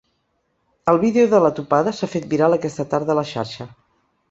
El vídeo de la topada s’ha fet viral aquesta tarda a la xarxa.